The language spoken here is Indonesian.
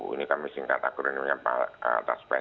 ini kami singkat akronimnya pak taspen